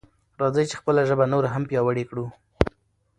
راځئ چې خپله ژبه نوره هم پیاوړې کړو.